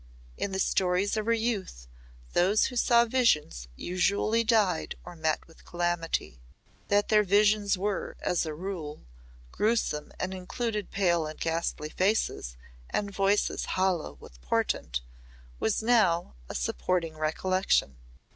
In the stories of her youth those who saw visions usually died or met with calamity. That their visions were, as a rule, gruesome and included pale and ghastly faces and voices hollow with portent was now a supporting recollection.